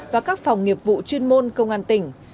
và các phòng nghiệp vụ chuyên môn công an tỉnh